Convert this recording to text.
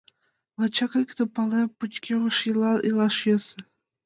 Лачак иктым палем: пычкемыш еҥлан илаш йӧсӧ.